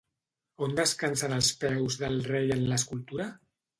On descansen els peus del rei en l'escultura?